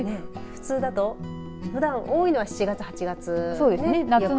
普通だとふだん多いのは７月、８月ですよね。